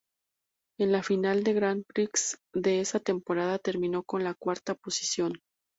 En la final del Grand Prix de esa temporada terminó con la cuarta posición.